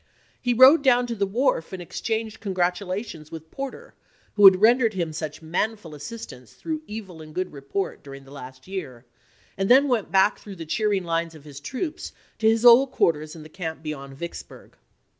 He rode down chap.x. to the wharf and exchanged congratulations with Porter, who had rendered him such manful assist ance through evil and good report during the last year, and then went back through the cheering lines of his troops to his old quarters in the camp beyond Vicksburg.